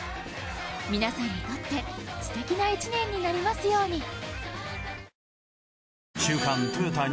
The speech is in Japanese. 皆さんにとってすてきな１年になりますように